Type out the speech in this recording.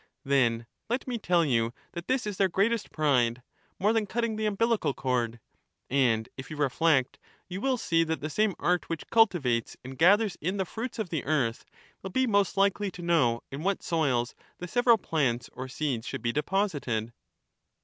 Then let me tell you that this is their greatest pride, more than cutting the umbilical cord. And if you reflect, you will see that the same art which cultivates and gathers in the fruits of the earth, will be most likely to know in what soils the several plants or seeds should be deposited.